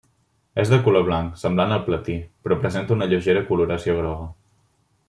És de color blanc, semblant al platí, però presenta una lleugera coloració groga.